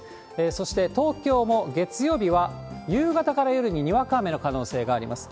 そして東京も、月曜日は夕方から夜ににわか雨の可能性があります。